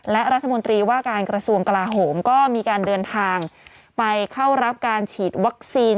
และรัฐมนตรีว่าการกระทรวงกลาโหมก็มีการเดินทางไปเข้ารับการฉีดวัคซีน